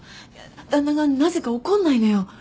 旦那がなぜか怒んないのよ。